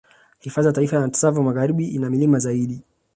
Hifadhi ya Taifa ya Tsavo Magharibi ina milima zaidi